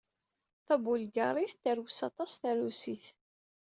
Tabulgaṛit terwes aṭas tarusit.